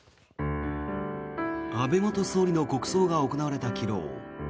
安倍元総理の国葬が行われた昨日。